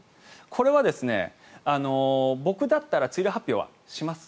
これは、僕だったら梅雨入り発表はします。